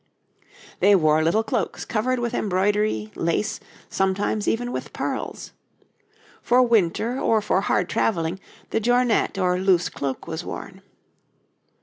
They wore little cloaks covered with embroidery, lace, sometimes even with pearls. For winter or for hard travelling the jornet or loose cloak was worn.